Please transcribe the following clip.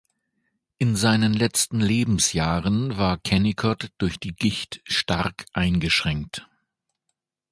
In seinen letzten Lebensjahren war Kennicott durch die Gicht stark eingeschränkt.